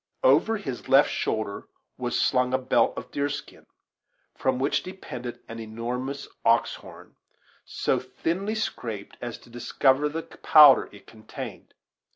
Over his left shoulder was slung a belt of deer skin, from which depended an enormous ox horn, so thinly scraped as to discover the powder it contained.